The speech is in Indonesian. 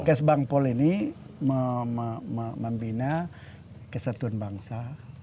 kes bank pol ini membina kesatuan bangsa